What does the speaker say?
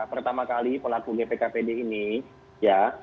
pertama kali pelaku dpp demokrat ini ya